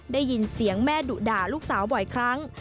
ได้ยินเสียงแม่ดุด่าลูกสาวบ่อยครั้ง